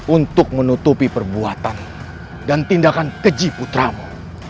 untuk menutupi perbuatan dan tindakan keji putramu